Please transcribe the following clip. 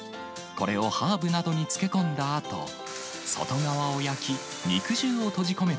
これをハーブなどに漬け込んだあと、外側を焼き、肉汁を閉じ込め